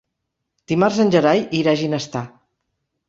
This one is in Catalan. Dimarts en Gerai irà a Ginestar.